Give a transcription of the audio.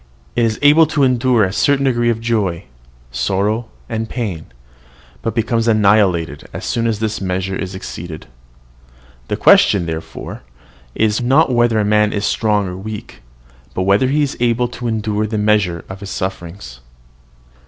It is able to endure a certain degree of joy, sorrow, and pain, but becomes annihilated as soon as this measure is exceeded. The question, therefore, is, not whether a man is strong or weak, but whether he is able to endure the measure of his sufferings.